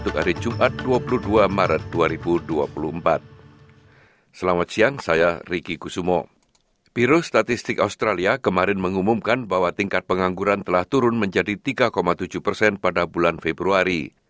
kepala kepala pariwisata area kemarin mengumumkan bahwa tingkat pengangguran telah turun menjadi tiga tujuh pada bulan februari